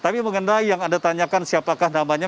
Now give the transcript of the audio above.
tapi mengenai yang anda tanyakan siapakah namanya